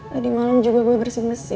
tadi malam juga gue bersih mesin